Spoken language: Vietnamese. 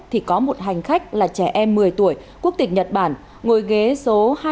thì có một hành khách là trẻ em một mươi tuổi quốc tịch nhật bản ngồi ghế số